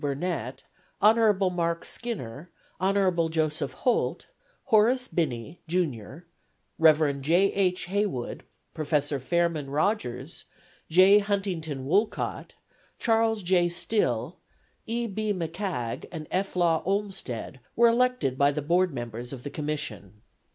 Burnet, Hon. Mark Skinner, Hon. Joseph Holt, Horace Binney, Jr., Rev. J. H. Heywood, Prof. Fairman Rogers, J. Huntingdon Wolcott, Charles J. Stille, E. B. McCagg and F. Law Olmstead were elected by the Board members of the Commission.